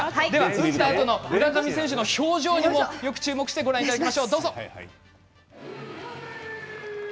打ったあとの村上選手の表情にもよく注目してご覧ください。